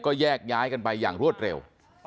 ก็แยกย้ายกันไปอย่างรวดเร็ว